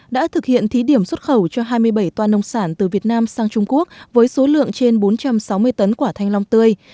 đã thực hiện thí điểm xuất khẩu cho hai mươi bảy toa nông sản từ việt nam sang trung quốc với số lượng trên bốn trăm sáu mươi tấn quả thanh long tươi